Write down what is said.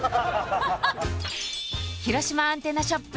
広島アンテナショップ